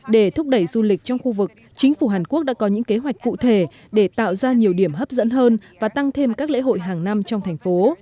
để thúc đẩy du lịch trong khu vực chính phủ hàn quốc đã có những kế hoạch cụ thể để tạo ra nhiều điểm hấp dẫn hơn và tăng thêm các lễ hội hàng năm trong thành phố